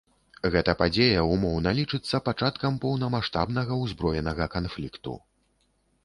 Гэта падзея ўмоўна лічыцца пачаткам поўнамаштабнага ўзброенага канфлікту.